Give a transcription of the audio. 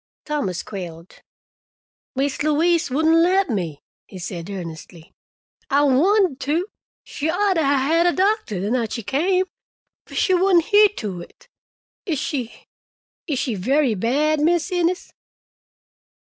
Thomas quailed. "Mis' Louise wouldn' let me," he said earnestly. "I wanted to. She ought to 'a' had a doctor the night she came, but she wouldn' hear to it. Is she—is she very bad, Mis' Innes?"